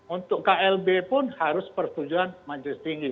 untuk klb pun harus persetujuan majelis tinggi